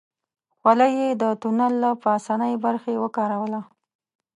خولۍ يې د تونل له پاسنۍ برخې وکاروله.